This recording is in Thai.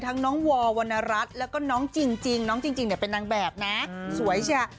ทั้งน้องวาววนรัสแล้วก็น้องจิ่งน้องจิ่งเป็นนางแบบนะสวยใช่